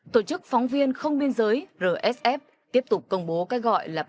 tổ chức phóng viên không biên giới rsf tiếp tục công bố cái gọi là